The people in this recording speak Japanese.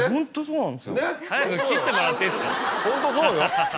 ホントそうよ。